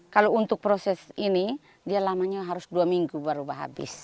kalau untuk proses ini dia lamanya harus dua minggu baru habis